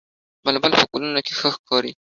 بلبل په ګلونو کې ښه ښکاري